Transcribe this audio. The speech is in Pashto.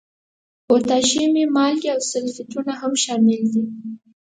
پوتاشیمي مالګې او سلفیټونه هم شامل دي.